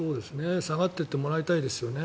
下がっていってもらいたいですよね。